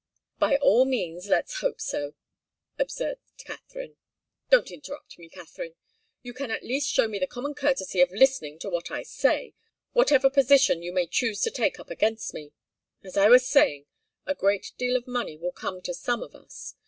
"By all means, let's hope so," observed Katharine. "Don't interrupt me, Katharine. You can at least show me the common courtesy of listening to what I say, whatever position you may choose to take up against me. As I was saying, a great deal of money will come to some of us.